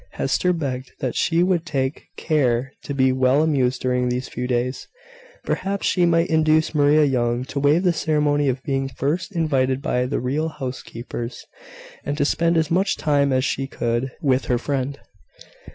Hester begged that she would take care to be well amused during these few days. Perhaps she might induce Maria Young to waive the ceremony of being first invited by the real housekeepers, and to spend as much time as she could with her friend.